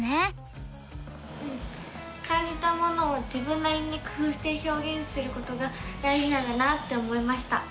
うん感じたものを自分なりに工ふうしてひょうげんすることが大じなんだなって思いました！